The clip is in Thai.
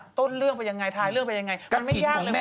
ก็เหมือนเราศึกษาเรื่องท้าเครื่อง